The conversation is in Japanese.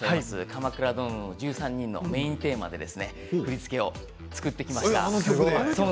「鎌倉殿の１３人」のメインテーマで振り付けを作ってきました。